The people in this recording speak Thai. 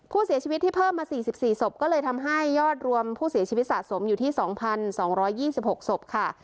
ผู้เสียชีวิตที่เพิ่มมา๔๔ศพก็เลยทำให้ยอดรวมผู้เสียชีวิตสะสมอยู่ที่๒๒๒๖ศพค่ะ